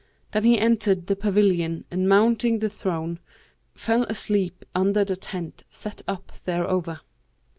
Then he entered the pavilion and mounting the throne, fell asleep under the tent set up thereover.